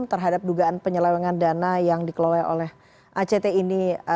terhadap dugaan penyelewengan dana yang dikelola oleh act ini